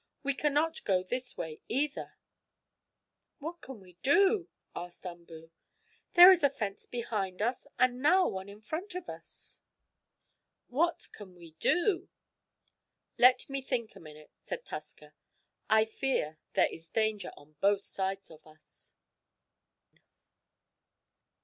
We can not go this way, either!" "What can we do?" asked Umboo. "There is a fence behind us, and now one in front of us. What can we do?" "Let me think a minute," said Tusker. "I fear there is danger on both sides of us."